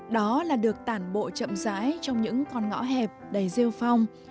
đó là được tản bộ chậm rãi trong những con ngõ hẹp đầy rêu phong